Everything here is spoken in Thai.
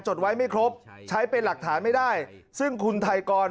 จดไว้ไม่ครบใช้เป็นหลักฐานไม่ได้ซึ่งคุณไทยกร